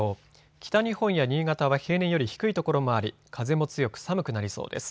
北日本や新潟は平年より低い所もあり、風も強く寒くなりそうです。